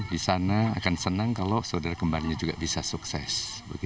di sana akan senang kalau saudara kembarnya juga bisa sukses